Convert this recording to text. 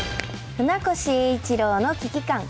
船越英一郎の危機感。